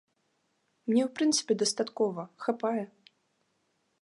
Мне ў прынцыпе дастаткова, хапае.